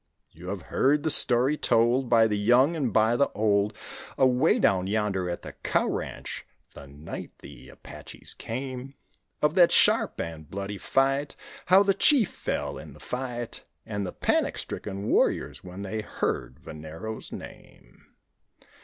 You have heard the story told By the young and by the old, Away down yonder at the cow ranch the night the Apaches came; Of that sharp and bloody fight, How the chief fell in the fight And the panic stricken warriors when they heard Venero's name.